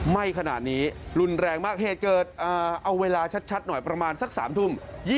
ไหม้ขนาดนี้รุนแรงมากเหตุเกิดเอาเวลาชัดหน่อยประมาณสัก๓ทุ่ม